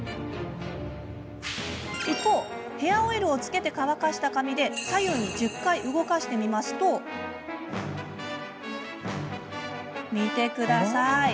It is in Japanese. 一方、ヘアオイルをつけて乾かした髪で左右に１０回動かしてみると見てください。